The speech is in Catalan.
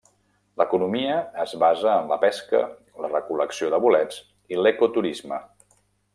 L'economia es basa en la pesca, la recol·lecció de bolets i l'ecoturisme.